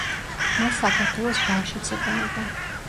მას საქართველოს ბარშიც იყენებენ.